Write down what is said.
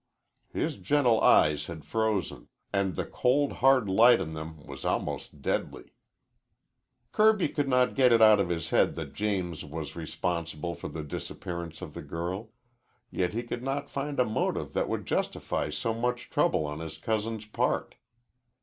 His gentle eyes had frozen, and the cold, hard light in them was almost deadly. Kirby could not get it out of his head that James was responsible for the disappearance of the girl. Yet he could not find a motive that would justify so much trouble on his cousin's part.